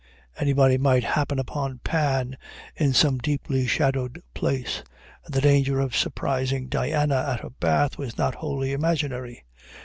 Anybody might happen upon Pan in some deeply shadowed place, and the danger of surprising Diana at her bath was not wholly imaginary.